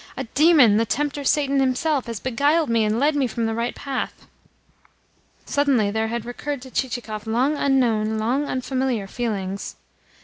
A demon, the tempter Satan himself, has beguiled me and led me from the right path." Suddenly there had recurred to Chichikov long unknown, long unfamiliar feelings.